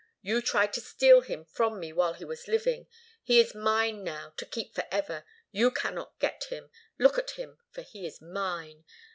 You tried to steal him from me while he was living. He is mine now, to keep forever. You cannot get him. Look at him, for he is mine.